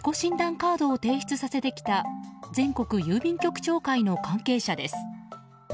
カードを提出させてきた全国郵便局長会の関係者です。